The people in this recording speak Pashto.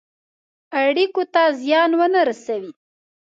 اړېکو ته زیان ونه رسوي.